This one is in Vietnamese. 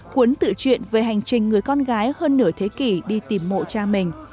cuốn tự chuyện về hành trình người con gái hơn nửa thế kỷ đi tìm mộ cha mình